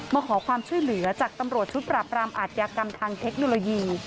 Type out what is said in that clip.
มาขอความช่วยเหลือจากตำรวจชุดปรับรามอาทยากรรมทางเทคโนโลยี